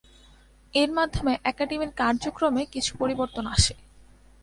এর মাধ্যমে একাডেমির কার্যক্রমে কিছু পরিবর্তন আসে।